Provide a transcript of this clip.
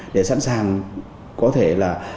để sẵn sàng có thể là